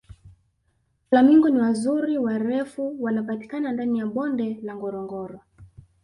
flamingo wazuri warefu wanapatikana ndani ya bonde la ngorongoro